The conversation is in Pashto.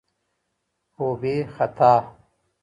خو بې خطا